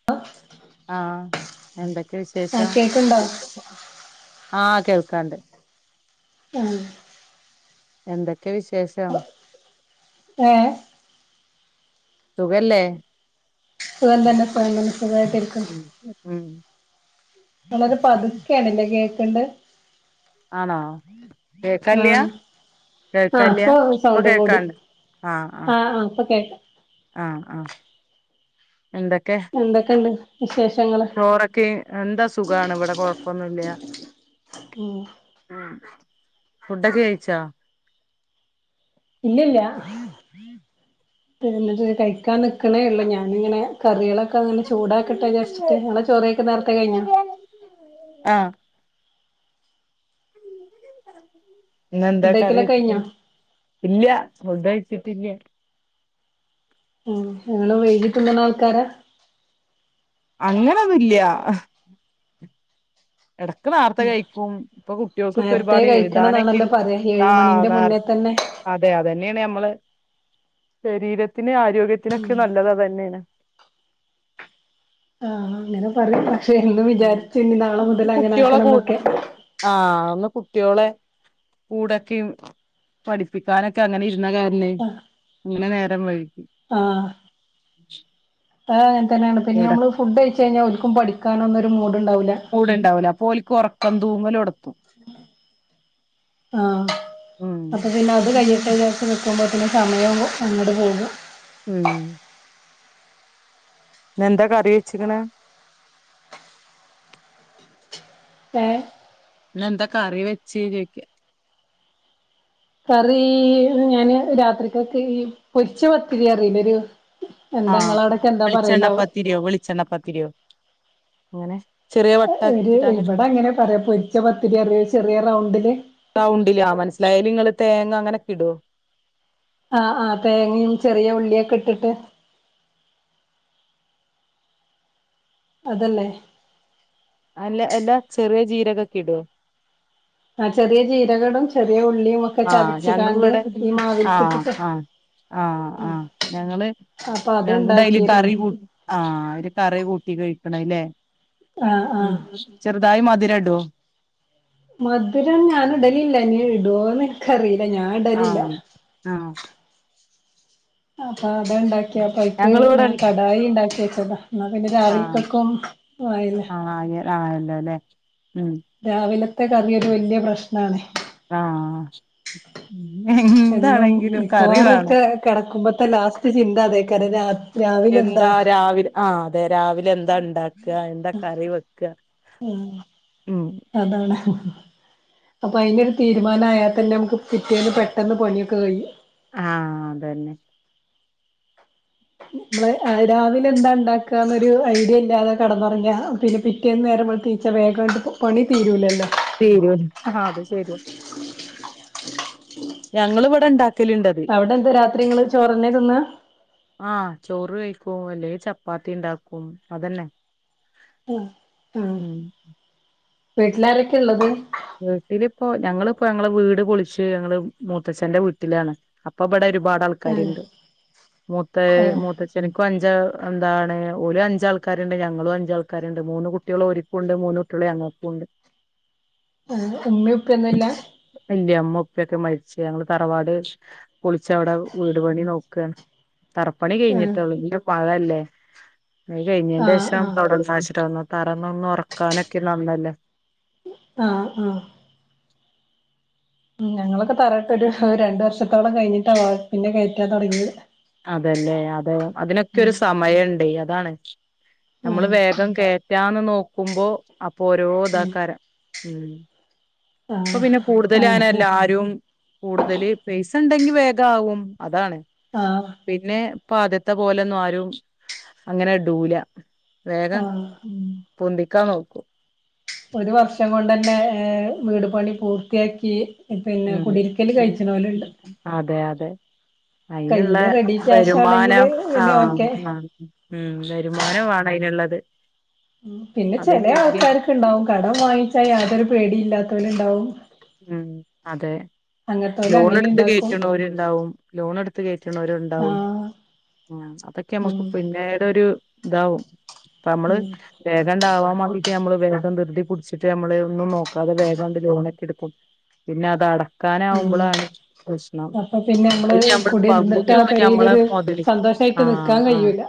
[unintelligible] ആഹ് എന്തൊക്കെ ആഹ് വിശേഷം? കേക്ക്ണ്ടോ ആഹ് കേൾക്കാണ്ട്. ആഹ് എന്തൊക്കെ വിശേഷം? ഏഹ്? സുഖല്ലേ? സുഖം തന്നെ സുഖം തന്നെ സുഖായിട്ടിരി ഉം ഉം ഞമ്മത് പതുക്കെ ആണ്ല്ലേ കേക്കണ്ട്? ആണോ കേൾക്കാല്ല്യ ആഹ് ആഹ് കേൾക്കാല്ല്യ ഇപ്പൊ സൗണ്ട് കൂടി. കേൾക്കാണ്ട് ആഹ് ആഹ് ഇപ്പൊ കേക്കാം. ആഹ് ആഹ് എന്തൊക്കെ? എന്തൊക്കെണ്ട്? വിശേഷങ്ങള്? ചോറൊക്കെ എന്താ സുഖാണ് ഇവിടെ കൊഴപ്പൊന്നില്ല. ഉം ആഹ് ഫുഡൊക്കെ കയിച്ചോ? ഇല്ലില്ല [unintelligible] കഴിക്കാൻ നിക്കണേ ഒള്ളൂ. ഞാനിങ്ങനെ കറികളൊ ക്കെങ്ങനെ ചൂടാക്കട്ടെ വിചാരിച്ചിട്ട്. ഇങ്ങളെ ചോറയ്ക്കൽ നേരത്തെ കഴിഞ്ഞോ? ആഹ് ഇന്നെന്താ ഫുഡ് കറി കഴിക്കലൊക്കെ കഴിഞ്ഞോ വച്ചത്? ഇല്ല ഫുഡ് കഴിച്ചിട്ടില്ല. ഉം നിങ്ങള് വൈകി തിന്ന്ണ ആൾക്കാരാ? അങ്ങനൊന്നുല്ല. എടക്ക് നേർത്തെ കഴിക്കും. ഇപ്പൊ കുട്ടികൾക്കൊക്കെ നേരത്തെ ഒരുപാട് കഴിക്കണംന്നാണല്ലോ എഴുതാനൊക്കെണ്ട് പറയാ ഏഴ് ആഹ് മണിന്റെ നേ മുന്നേ തന്നെ അതെ അതന്നെയാണ് നമ്മള് ശരീരത്തിന് ആരോഗ്യത്തിനൊക്കെ നല്ലത് അത് തന്നേണ്. ആഹ് അങ്ങനെ പറയും പക്ഷെ എന്നും ഉം. വിചാരിച്ചു ഇനി നാളെ മുതല് അങ്ങനെ കുട്ടികളെ ആക്കണം കൂ എന്നൊക്കെ ആഹ് അന്ന് കുട്ടിയോളെ കൂടൊക്കെയും പഠി പ്പിക്കാനൊക്കെ അങ്ങനെ ഇരുന്ന കാരണെ അങ്ങനെ നേരം വൈകി. ആഹ് അത് അങ്ങനെ തന്നെയാണ്. പിന്നെ എട നമ്മള് ഫുഡ് കഴിച്ച് കഴിഞ്ഞാ ഓര്ക്കും പഠിക്കാനൊന്നും ഒരു മൂഡ്ണ്ടാവൂല്ല. മൂഡ്ണ്ടാവൂല അപ്പോ ഓൽക്ക് ഒറ ക്കം തൂങ്ങലൊടത്തും. ആഹ് ഉം അപ്പ പിന്നെ അത് കഴിയട്ടെന്ന് വിചാരിച്ച് നിക്കുമ്പോഴത്തനും സമയവും അങ്ങട് പോകും. ഉം ഇന്ന് എന്താ കറി വെച്ചിക്ക്ണെ ഏഹ് ഇന്ന് എന്താ കറി വെച്ച് ചോയ്ക്ക കറി ഞാന് രാത്രിക്കക്ക് പൊരിച്ച പത്തിരി പറയില്ലേ ഒരു എന്താ ആഹ് ഇങ്ങളവിടൊക്കെ എന്താ പറയലാവോ വെളിച്ചെണ്ണപ്പത്തിരിയോ വെളിച്ചെണ്ണപ്പത്തിരിയോ അങ്ങനെ ചെറിയ ഏഹ് ഒരു വട്ടാക്കിട്ട് ഇവിടെ അങ്ങനെ പറയാം പൊരിച്ച പത്തിരി അറിയ ചെറിയ റൗണ്ടിൽ റൗണ്ടില് ആഹ് മനസിലായി അയ്ല് നിങ്ങള് തേങ്ങ അങ്ങനൊക്കെ ഇടോ ആഹ് ആഹ് തേങ്ങയും ചെറിയ ഉള്ളിയൊക്കെ ഇട്ടിട്ട് അതല്ലേ അല്ല അല്ലാ ചെറിയ ജീരകൊക്കെ ഇടോ ആഹ് ചെറിയ ജീരകടും ചെറിയ ഉള്ളിയു ഒക്കെ ആഹ് ചതച്കാണ്ട് ഞങ്ങളിവിടെ ഈ മാവിൽ ആഹ് കിട്ടിട്ട് ആഹ് ആഹ് ആഹ് ഞങ്ങള് അപ്പൊ ഞങ്ങളുടെ അയ്ല് അത്ണ്ടാക്കിയിരുന്നു കറി കൂ ആഹ് ഒരു കറി കൂട്ടി കഴിക്കണല്ലേ ആഹ് ഉം ആഹ് ചെറുതായി മധുരടോ മധുരം ഞാൻ ഇടലില്ല ഇനി ഇടോന്ന് ഇൻക്കറില്ല ഞാൻ ഇടലില്ല ആഹ് ആഹ് അപ്പൊ അട ഉണ്ടാക്കിയപ്പയ്ക്ക് ഞങ്ങളിവിടെ ഞാൻ കടായിണ്ടാക്കി വെച്ചതാ ന്ന പിന്നെ രാവിൽക്കക്കും ആയി ആയല്ലോലേ ഉം രാവിലത്തെ കറിയൊരു വല്യ പ്രശ്നാണ് ആഹ് എന്നും ന്താണെങ്കിലും കറി മിക്കവാറും വേണം ഒക്കെ കെടക്കുമ്പത്തെ ലാസ്റ്റ് ചിന്ത അതെയ്ക്കാരം രാ എന്താ രാവിലെന്താ രാവിലെ ആ അതെ രാവിലെ എന്താണ്ടാക്ക എന്താ കറി വെക്ക ഉം അതാണ് അപ്പൊ അയിനൊരു തീരുമാനയാൽ തന്നെ നമുക്ക് പിറ്റേന്ന് പെട്ടെന്ന് പണിയൊക്കെ കഴിയും ആഹ് അതന്നെ മ്മള് രാവിലെന്താ ഇണ്ടാക്കാന്നൊരു ഐഡിയല്ലാതെ കെടന്നുറങ്ങിയ പിന്നെ പി റ്റേന്ന് നേരം വെള്ത്ത് നീച്ച വേഗാണ്ട് പണി തീരൂല്ലല്ലോ തീരുല അത് ശരി ഞങ്ങള് ഇവടെ ഇണ്ടാ അവടെന്താ രാത്രിങ്ങള് ചോറെന്നെ തിന്നാ ആഹ് ചോറ് കഴിക്കും അല്ലെ ചപ്പാത്തിണ്ടാക്കും അതന്നെ ആഹ് ഉം വീട്ടിലാരൊക്കെള്ളത് വീട്ടിലിപ്പോ ഞങ്ങള്പ്പോ ഞങ്ങളെ വീട് പൊളിച്ച് ഞങ്ങള് മൂത്തച്ഛന്റെ വീട്ടിലാണ് അപ്പം ഇബടെ ഒരുപാട് ആഹ് ആൾക്കാരുണ്ട് മൂത്ത ആഹ് മൂത്തച്ചി എനിക്കും അഞ്ചാള് എന്താണ് ഓല് അഞ്ചാൾക്കാരുണ്ട് ഞങ്ങളും അഞ്ച് ആൾക്കാരുണ്ട് മൂന്ന് കുട്ട്യാളും ഓര് ക്കൂണ്ട് മൂന്നുട്ട്യാള് ഞങ്ങക്കുണ്ട് ഏഹ് ഉമ്മീം ഉപ്പി ഒന്നുല്ല ഇല്ല്യ ഉമ്മേം ഉപ്പിയൊക്കെ മരിച് ഞങ്ങള് തറവാട് പൊളിച്ച് അവടെ വീട് പണി നോക്ക ക്കാണ് തറപ്പണി ആഹ് കഴിഞ്ഞിട്ടുള്ളൂ ഇനി മഴല്ലേ പണി കഴിഞ്ഞന്റെ ആഹ് ശേഷം ആഹ് തൊടങ്ങാച്ചിട്ടണ് തറന്നൊറക്കാനൊക്കെ നന്നല്ലോ ആഹ് ആഹ് ഉം ഞങ്ങളൊക്കെ തറട്ടൊരു രണ്ടു വർഷത്തോളം കഴിഞ്ഞിട്ടാ പിന്നെ കേറ്റാൻ തൊടങ്ങിത് അതല്ലേ അതെ അതിനൊക്കെരു സമയുണ്ടെ അതാണ് നമ്മള് ആഹ് വേഗം കേ റ്റാന്ന് നോക്കുമ്പോ അപ്പൊ ഓരോ ഉം ഇതാക്കാരം ഇപ്പൊ ആഹ് പിന്നെ കൂട്തല് അങ്ങനെ എല്ലാരും കൂട്തല് പൈസണ്ടെങ്കി വേഗാവും അതാണ് ആഹ് പിന്നെ ഇപ്പം ആദ്യത്തെ പോലെന്നും ആരും അങ്ങനെ ഇടൂല വേഗം ആഹ് പൊന്തിക്കാൻ നോക്കും ഒരു വർഷം കൊണ്ടന്നെ ഏ വീട് പണി പൂർത്തിയാക്കി പിന്നെ ഉം കുടിരിക്കല് കഴിച്ച്ണോല്ണ്ട് അതെ അതെ അയിന്ള്ള കയ്യില് റെഡി ക്യാഷ് ആണെങ്കില് വരുമാനം പിന്നെ ആഹ് ഓക്കെ ആഹ് ഉം വരുമാനം വാണം അയിന്ള്ളത് ഉം പിന്നെ ചെലേ അതില്ലെങ്കി ആൾക്കാര്ക്ക്ണ്ടാവും കടം വാങ്ങിച്ചാ യാതൊരു പേടിയില്ലാത്തോല്ണ്ടാവും ഉം അതെ അങ്ങത്തോല് അങ്ങനെ ലോണെട്ത്ത് ഇണ്ടാക്കും കേറ്റ്ണോര്ണ്ടാവും ലോണെട്ത്ത് കേറ്റ്ണോര്ണ്ടാവും ആഹ് ഉം അതൊക്കെ ഉം നമ്മക്ക് പിന്നീടൊരും ഇതാവും ഇപ്പമ്മള് ഉം വേഗാണ്ട് ആവാമാണ്ടീട്ട് നമ്മള് വേഗം ധൃതി പുട്ച്ചിട്ട് നമ്മള് ഒന്നും നോക്കാതെ വേഗാണ്ട് ലോണോക്കെട് പിന്നെ അത് അട ഉം ക്കാനാവ്മ്പളാണ് പ്രശ്നം അപ്പൊ പിന്നെ അയില് നമ്മള് കുടിര്ന്നിട്ട് ആ പകുതിയൊള്ളൂ ഞമ്മളെ പെരേലൊരു മൊതല് സന്തോഷായിട്ട് ആഹ് നിക്കാൻ ആഹ് കഴിയൂല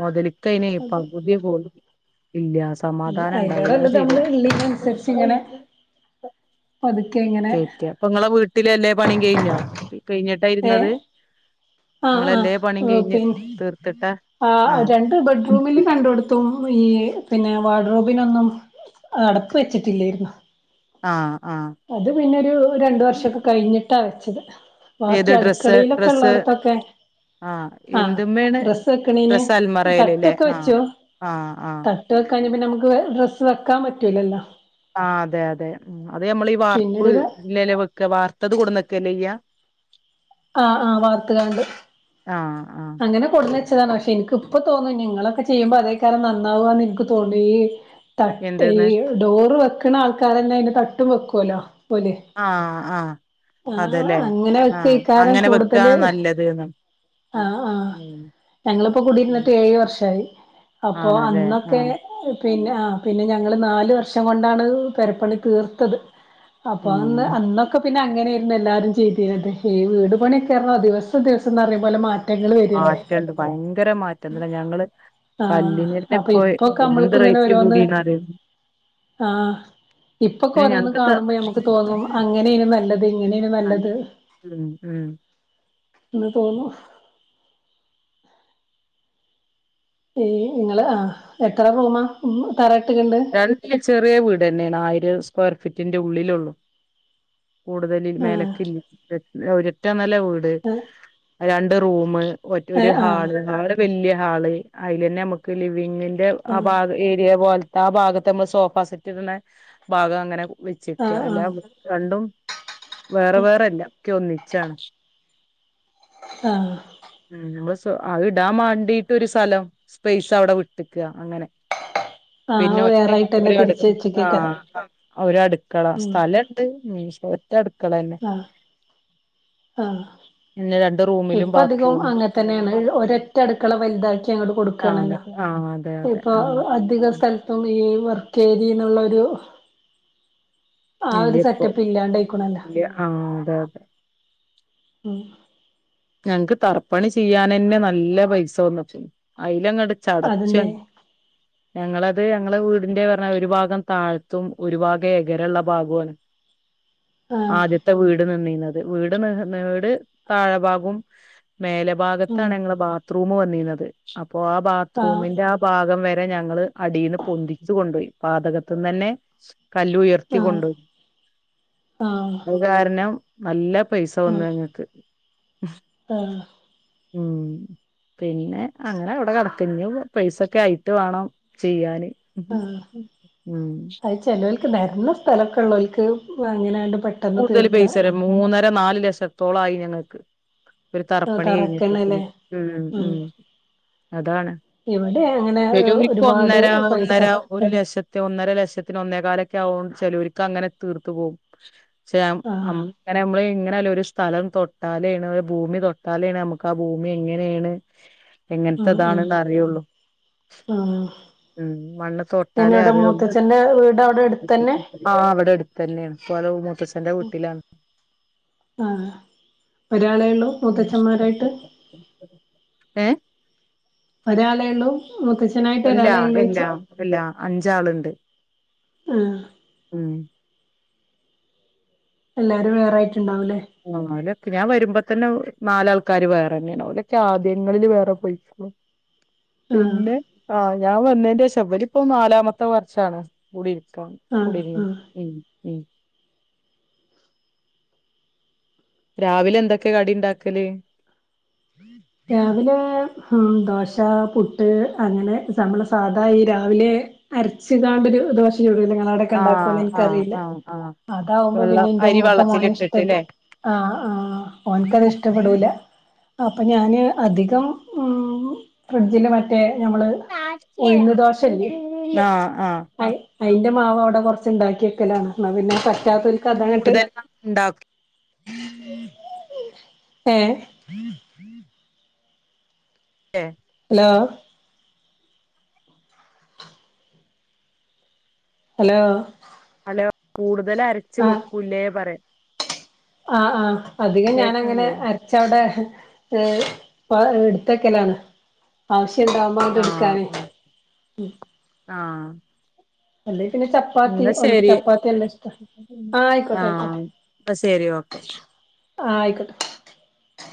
മൊതല്ക്കയിനെ അതെ പകുതിയെ പോലും ഇല്ലാ അയിലാറേ നമ്മള് ഇള്ളീനന്സരിച്ച് ഇങ്ങനെ പതുക്കെ ഇങ്ങനെ ഇപ്പൊ ഇങ്ങളെ വീട്ടിലല്ലേ പണിം കഴിഞ്ഞോ കഴിഞ്ഞിട്ടാ ഏഹ് ഇര്ന്നത് ആഹ് ആഹ് പി തീർത്തിട്ടാ ആഹ് രണ്ട് ബെഡ്റൂമില് രണ്ടോട് ത്തും ഈ പിന്നെ വാർഡ്രോബിനൊന്നും അടപ്പ് വെച്ചിട്ടില്ലായിരുന്നു ആഹ് ആഹ് അത് പിന്നൊരു രണ്ട് വർഷൊക്കെ കഴിഞ്ഞിട്ടാ വെച്ചത് ഏത് ബാക്കി ഡ്രസ്സ് അട്ക്കളേലൊക്കെ ഡ്രസ്സ് ഇള്ളോട്ത്തൊക്കെ ആഹ് ഡ്രസ്സ് വെക്ക്ണേന് ഡ്രസ്സ് അൽമറയിലല്ലേ തട്ടൊക്കെ ആഹ് വെച്ചു ആഹ് ആഹ് ത ട്ട് വെക്കാഞ്ഞ പിന്നെ നമുക്ക് വെ ഡ്രസ്സ്‌ വെക്കാൻ പറ്റൂലല്ലോ ആഹ് അതെ അതെ അത് നമ്മള് ഈ പിന്നൊരു വാർപ്പ്ലല്ലേ വെക്കാ വാർത്തത് കൊട്ന്നെക്കല്ലേ ചെയ്യാ ആഹ് ആഹ് വാർത്ത്ക്കാണ്ട് ആഹ് ആഹ് അങ്ങനെ കൊട്ന്നെ ച്ചതാണ് പക്ഷെ ഇൻക്ക് ഇപ്പ തോന്ന ഇഞ്ഞ് ഇങ്ങളൊക്കെ ചെയ്യുമ്പോ അതേക്കാരം നന്നാവാന്ന് ഇൻക്ക് തോന്നീ തട്ട് എന്തന്ന് ഈ ഡോറ് വെക്ക്ണ ആൾക്കാരെന്നെ അയിന് തട്ടും വെക്കൊലോ പോലെ ആഹ് ആഹ് ആഹ് അതെല്ലേ അങ്ങനെ വെ ആഹ് ക്കെക്കാരം അങ്ങനെ കൂട്തല് വെക്കാണ് നല്ലത് ന്ന് ആഹ് ആ ഹ് ഉം ഞങ്ങള്പ്പോ ഉം കൂടിയിര്ന്നിട്ട് ഏഴ് വർഷായി അപ്പൊ ആണല്ലേ അന്നൊക്കെ ആഹ് പിന്നെ ആ ഹ് പിന്നെ ഞങ്ങള് നാല് വർഷം കൊണ്ടാണ് പെരപ്പണി തീർത്തത് അപ്പൊ അന്ന് ഉം അന്നൊക്കെ പിന്നെ അങ്ങനെയായിരുന്നു എല്ലാരും ചെയ്തിര്ന്നത് ഈ വീട് പണിയൊക്കെ പറഞ്ഞാൽ ദിവസം ദിവസന്ന് പറയ് പോലെ മാ മാറ്റണ്ട് ഭയങ്കര മാറ്റം തന്നെ ഞങ്ങള് ആഹ് കല്ലിനീന്റെ അപ്പൊ ഇപ്പൊ ഇപ്പൊക്കെ എന്ത് നമ്മൾക്ക് ഇങ്ങനെ റേറ്റില് ഓരോന്ന് കൂടിന്നറ്യോ ആഹ് ഇപ്പൊക്കെ ഓരോന്ന് ഞങ്ങക്ക് ത കാണുമ്പോ ഞമ്മക്ക് തോന്നും അങ്ങനേനി നല്ലത് ഇങ്ങനേനി നല്ലത് ഉം ഉം ഉം തോന്നും ഈ ഇങ്ങള് ആഹ് എത്ര റൂമാ ഉം തറ ഇട്ട്ക്ക്ണത് രണ്ട് ചെറ്യേ വീടെന്നെയാണ് ആയിരം സ്ക്വയർ ഫീറ്റിന്റെ ഉള്ളിലൊള്ളൂ കൂടുതല് ആഹ് മേലക്കില് ര് ഒരറ്റ നല വീ ണ്ട് രണ്ട് റൂമ് മറ്റ് ഒര് ഏഹ് ആഹ് ഹാൾ ആവര് വല്യ ഹാള് അയ്ലന്നെ നമക്ക് ലിവിങ്ങിന്റെ ആ ആഹ് ഭാഗ ഏരിയ പോൽ ട്ടാഭാഗത്തെ നമ്മൾ സോഫ സെറ്റ് ഇട്ണെ ഭാഗം അങ്ങനെ വെച്ചിക്ക ആഹ് എല്ലാ ആഹ് രണ്ടും വേറെ വേറെല്ല ഒക്കെ ഒന്നിച്ചാണ് ആഹ് ഉം [unintelligible] അഹ് ടാൻ വാണ്ടീട്ടൊരു സലം സ്പേസ് അവിടെ വിട്ട്ക്ക അങ്ങനെ പിന്നെ ആഹ് ഒറ്റ വേറായിട്ടന്നെ രട് തിരിച്ച് വെച്ചക്കേക്കാരം ആഹ് ഒര് അടുക്കള സ്ഥല [unintelligible] ഒറ്റ അടുക്കളന്നെ ആഹ് ആഹ് പിന്നെ രണ്ട് റൂം ഇപ്പ അധികം അങ്ങൻ തന്നെണ് ഒരറ്റ അടുക്കള വലുതാക്കി അങ്ങട്ട് ആഹ് കൊടുക്കാണല്ലോ ആഹ് അതെ അതെ അതെ ക്ക സ്ഥലത്തും ഈ വർക്കേരി ന്നുള്ളരു ആ ഇല്ല ഒരു ഇപ്പൊ സെറ്റപ്പ് ഇല്ലാണ്ടയ് ക്ണല്ലോ ഇല്ല ആഹ് അതെ അതെ ഉം ഞങക്ക് തറപ്പണി ചെയ്യാനന്നെ നല്ല പൈസ വന്ന്ട്ട് അയ്ലങ്ങട് ചടച്ചി അതിന്റെ ഞങ്ങളത് ഞങ്ങള വീടിന്റെർഞ്ഞ ഒരു ഭാഗം താഴ്ത്തും ഒരു ഭാഗം എകരള്ള ഭാഗുണ്. ആഹ് ആദ്യത്തെ വീട് നിന്നിന്നത് വീട് ന്ന് ഹ് ന്ന്ട് താഴഭാഗും. മേല ഉം ഭാഗത്താണ്ങ്ങളെ ബാത്റൂമ് വന്നിനത് അപ്പോ ആ ആഹ് ബാത്റൂമിന്റെ ആ ഭാഗം വരെ ഞങ്ങൾ അടിന്ന് പൊന്തിച്ചു കൊണ്ടോയി പാതകത്ത് ന്നന്നെ സ് കല്ലുയർ ആഹ് ത്തികൊണ്ട് ആഹ് അഹ് കാരണം നല്ല പൈസ ആഹ് വന്നുഞങ്ങക്ക്. ഉമ് ഹ ആഹ് ഉം പിന്നെ അങ്ങനവ്ടെ കിടക്ക ഞ്ഞു പൈസൊക്കെ ആയിട്ട് വേണം ചെയ്യാന്. ആഹ് ഉം അഹ് ചേലോൽക്ക് ന്നരന്ന സ്ഥലൊക്കെള്ളോൽക്ക് വ് ങ്ങനണ്ട് പ കൂടുതൽ പൈസരും മൂന്നര നാല് ലക്ഷത്തോളായി ഞങ്ങക്ക്. ഒരു തറപ്പണി കഴിഞ്ഞിട്ടത് തറക്കന്നല്ലേ ഉം ഉം. അതാണ് ഇവിടെ അങ്ങനെ ഒരുപാട് സലുവിക്കൊന്നര പൈസ ഒന്നര ഒരു ലക്ഷത്ത് ഒന്നര ലക്ഷത്തിന് ഒന്നേ കാലൊക്കെ ആവും ചേലോർക്ക് അങ്ങനെ തീർത്ത് പോവും. ചേമ് അം ആഹ് ങ്ങനമ്മൾ ഇങ്ങനയാലൊരു ഒരു സ്ഥലം തൊട്ടാലെണ് ഒരു ഭൂമി തൊട്ടാലെണ് നമ്മക്ക് ആ ഭൂമി എങ്ങനെണ്. ഉം ഉം എങ്ങൻതതാണ്ന്നറിള്ളു. ആഹ് ഉം മണ്ണ് തൊട്ടാലേ എന്നോടെ അറ്യൊള്ളൂ. മൂത്തച്ഛന്റെ വീട് അവിടെ അടുത്തന്നെ ആഹ് വടട്ത്തന്നെണ്ഇപ്പോലെ വ് മൂത്തച്ഛ ഉം ആഹ് ഒരാളെള്ളൂ. ഉം [inaudible] ഏഹ് ഒരാളെള്ളൂ മുത്തച്ഛനായിട്ട് ഒരാളെള്ളൂയ്ച്ചാ. തല്ലാ അഞ്ചാള്ണ്ട്. ഉം ഉം എല്ലാരും വേറായിട്ട്ണ്ടാവുലെ ങ്ങലൊക്കെ ഞാൻ വരുമ്പതന്നെ നാലാൾക്കാര് വേറെന്നെണ് ഓലൊക്കെ ആദ്യങ്ങളില് വേറെ പോയി. ളും ആഹ് പിന്നെ ആഹ് ഞാൻവന്നേന്റെശാ ഇവരിപ്പോ നാലാമത്തെ വർഷാണ് കൂടി ഇരിക്കു ആഹ് കുടിര്ന്ന് ആഹ് ഉം ഉം രാവിലെന്തൊക്കെ കടി ഉണ്ടാക്കല് [inaudible] രാവിലെ ദോശ പുട്ട് അങ്ങനെ സമ്മളെ സാധാഈ രാവിലെ അരച്ച് കാണ്ടൊരു ദോശ ചുടൂലെ ഇങ്ങളവിടെക് ആഹ് ക്കണ്ടാക്കൊന്ന് ആഹ് ൻക്കറീല ആഹ് ആഹ് അതാവുമ്പോ വെള്ളം പിന്നെ ന്റെ അരി മൂത്ത മോൻ ഇഷ്ടല്യ വെള്ളത്തിലിട്ടിട്ട്ല്ലേ ആഹ് ആഹ് ഓന്ക്കത് ഇഷ്ടപ്പെടൂല അപ്പ ഞാന് അധികം ഫ്രിഡ്ജിൽ മറ്റേ ഞമ്മള് [unintelligible] ആഹ് ആഹ് അയിഅയിന്റ മാവവ്ടെ കൊറച്ച് ണ്ടാക്കിവെക്കലാണ് എന്ന പിന്നെ പറ്റാത്തവൽക്കതങ്ങട്ട് കൂടുതൽ ഇണ്ടാക്കില്ലേ ഏഹ് [unintelligible] ഹലോ ഹലോ അപ്പ കൂടുതലരച്ച് ആഹ് വെക്കുല്ലേ പറയ ആഹ് ആഹ് അധികം ഞാനങ്ങനെ കേക്കല്ലേ അര് ച്ചവിടെ എട്ത്തക്കലാണ് ആവ്ശ്യണ്ടാവുമ്മ ആഹ് ആഹ് ആഹ് അല്ലേ പിന്നെ ചപ്പാത്തി എന്നാ ഒൻക്ക് ശരി ചപ്പാത്തി നല്ലഷ്ട ആഹ് അയിക്കോട്ടെ അയിക്കോട്ടെ എന്ന ശെരി ഓക്കേ ആഹ് ആയിക്കോട്ടെ